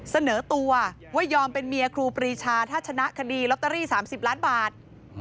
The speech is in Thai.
เสนอตัวว่ายอมเป็นเมียครูปรีชาถ้าชนะคดีลอตเตอรี่๓๐ล้านบาท